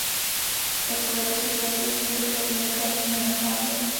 V takovéto situaci jsme se však na začátku nenacházeli.